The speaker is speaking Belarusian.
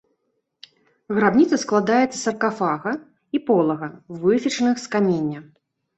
Грабніца складаецца з саркафага і полага, высечаных з каменя.